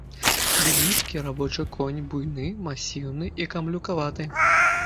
Бельгійскі рабочы конь буйны, масіўны і камлюкаваты.